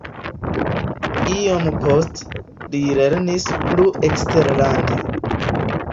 Iom poste li lernis plu eksterlande.